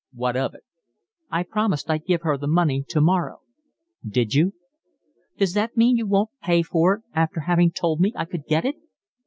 "What of it?" "I promised I'd give her the money tomorrow." "Did you?" "Does that mean you won't pay for it after having told me I could get it?"